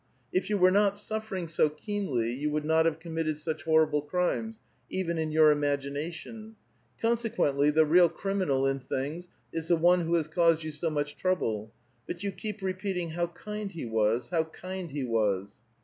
If you were not sufFering so keenly, you would not have com mitted such horrible crimes, even in your imagination. Con sequently the real criminal in things is the one who has caused you so much trouble ; but you keep re|)eating, ' How kind he was ! how kind he was